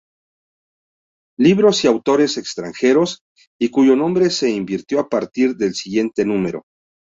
Libros y autores extranjeros", y cuyo nombre se invirtió a partir del siguiente número.